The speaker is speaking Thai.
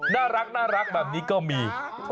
น่ารักแบบนี้ก็มี